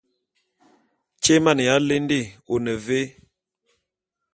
Tyé émaneya ya lende, one vé ?